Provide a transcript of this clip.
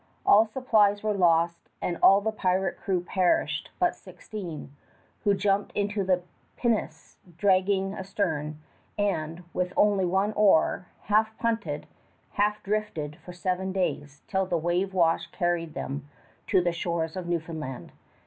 All supplies were lost and all the pirate crew perished but sixteen, who jumped into the pinnace dragging astern, and, with only one oar, half punted, half drifted for seven days till the wave wash carried them to the shores of Newfoundland.